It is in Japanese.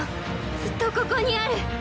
ずっとここにある。